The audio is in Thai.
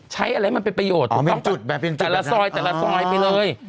ใช้อะไรมันเป็นประโยชน์เป็นจุดแบบเป็นจุดอ๋อแต่ละซอยไปเลย